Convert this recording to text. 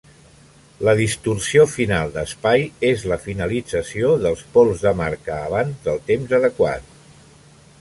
La distorsió final d'espai és la finalització dels pols de marca abans del temps adequat.